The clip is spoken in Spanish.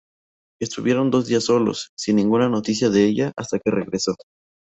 Estuvieron dos días solos, sin ninguna noticia de ella, hasta que regresó.